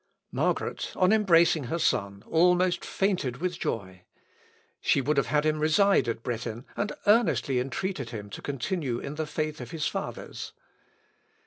Margaret, on embracing her son, almost fainted with joy. She would have had him reside at Bretten, and earnestly entreated him to continue in the faith of his fathers.